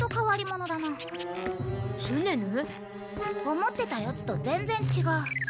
思ってたヤツと全然違う。